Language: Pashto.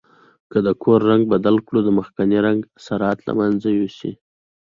که د کور رنګ بدل کړئ د مخکني رنګ اثرات له منځه یوسئ.